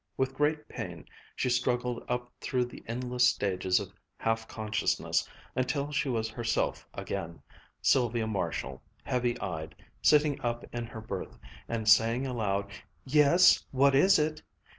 With great pain she struggled up through endless stages of half consciousness, until she was herself again, Sylvia Marshall, heavy eyed, sitting up in her berth and saying aloud, "Yes, what is it?"